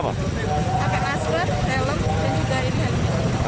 pakai masker helm dan juga ini hanya